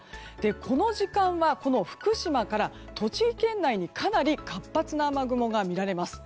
この時間は、福島から栃木県内にかなり活発な雨雲が見られます。